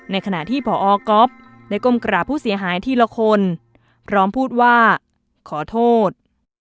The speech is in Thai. ในขณะที่พอก๊อฟได้ก้มกราบผู้เสียหายทีละคนพร้อมพูดว่าขอโทษ